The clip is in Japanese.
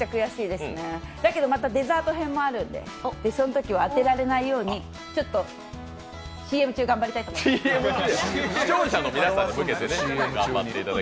でもまた、デザート編もあるのでそのときは当てられないように、ＣＭ中、頑張りたいと思います。